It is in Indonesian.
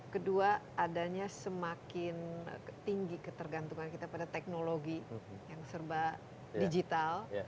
kedua adanya semakin tinggi ketergantungan kita pada teknologi yang serba digital